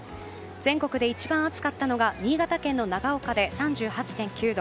全国で一番暑かったのが新潟県の長岡で３８．９度。